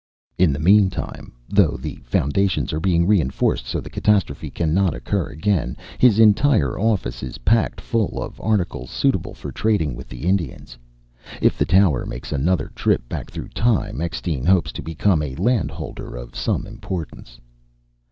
In the mean time, though the foundations are being reinforced so the catastrophe cannot occur again, his entire office is packed full of articles suitable for trading with the Indians. If the tower makes another trip back through time, Eckstein hopes to become a landholder of some importance.